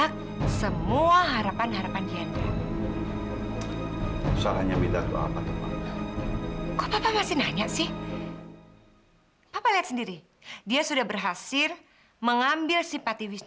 kalau kamu sudah siap